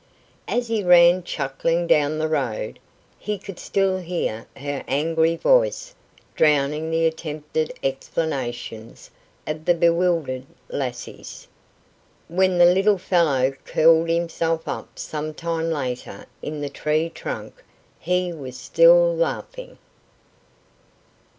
As he ran chuckling down the road, he could still hear her angry voice drowning the attempted explanations of the bewildered lassies. When the little fellow curled himself up some time later in the tree trunk he was still laughing.